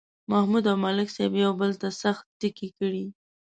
محمود او ملک صاحب یو بل ته سخت ټکي کړي.